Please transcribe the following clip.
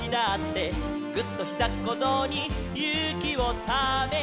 「ぐっ！とひざっこぞうにゆうきをため」